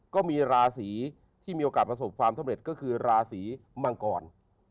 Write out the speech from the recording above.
ก็มีราศีที่มีโอกาสประสบความสำเร็จก็คือราศีมังกร